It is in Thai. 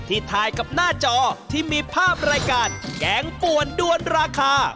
ถ่ายกับหน้าจอที่มีภาพรายการแกงป่วนด้วนราคา